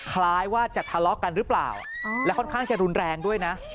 คล้ายว่าจะทะเลาะกันหรือเปล่าและค่อนข้างจะรุนแรงด้วยนะ